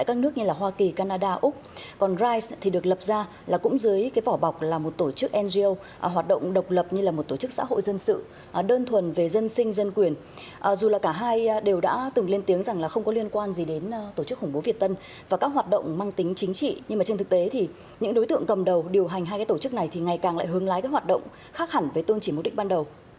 các hoạt động mang tính chính trị nhưng mà trên thực tế thì những đối tượng cầm đầu điều hành hai cái tổ chức này thì ngày càng lại hướng lái các hoạt động khác hẳn với tôn trì mục đích ban đầu